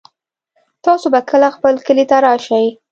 تاسو به کله خپل کلي ته راشئ